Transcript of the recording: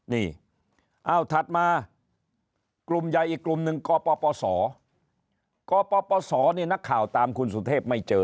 นี่เอาถัดมากลุ่มใหญ่อีกกลุ่มหนึ่งกปศกปศนี่นักข่าวตามคุณสุเทพไม่เจอ